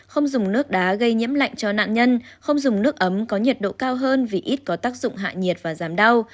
không dùng nước đá gây nhiễm lạnh cho nạn nhân không dùng nước ấm có nhiệt độ cao hơn vì ít có tác dụng hạ nhiệt và giảm đau